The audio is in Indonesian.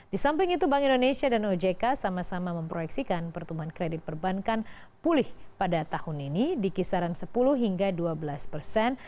di samping itu bank indonesia dan ojk sama sama memproyeksikan pertumbuhan kredit perbankan pulih pada tahun ini di kisaran sepuluh hingga dua belas persen